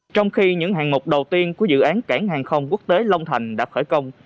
trong khi những hàng mục đầu tiên của dự án cảng hàng không quốc tế long thành đã khởi công